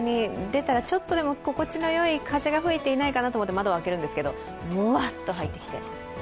出たらちょっとでも心地よい風が吹いていないかなと窓を開けるんですけど、ムワッと入ってきて。